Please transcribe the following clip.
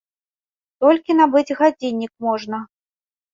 Толькі набыць гадзіннік можна.